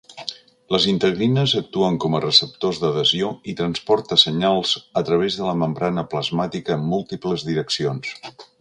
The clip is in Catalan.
Les integrines actuen com a receptors d'adhesió i transporta senyals a través de la membrana plasmàtica en múltiples direccions.